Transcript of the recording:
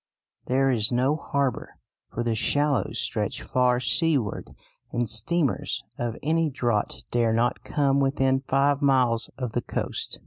There is no harbour, for the shallows stretch far seaward, and steamers of any draught dare not come within five miles of the coast.